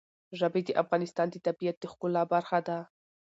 ژبې د افغانستان د طبیعت د ښکلا برخه ده.